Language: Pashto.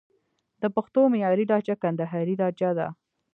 د پښتو معیاري لهجه کندهارۍ لجه ده